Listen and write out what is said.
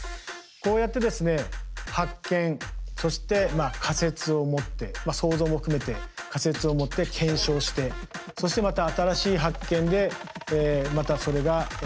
こうやってですね発見そして仮説を持って想像も含めて仮説を持って検証してそしてまた新しい発見でまたそれが謎が深まっていく。